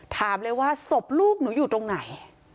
ถามเลยว่าศพลูกหนูอยู่ตรงไหน